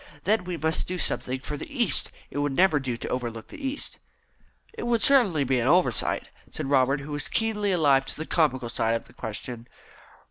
Then we must do something for the East. It would never do to overlook the East." "It would certainly be an oversight," said Robert, who was keenly alive to the comical side of the question.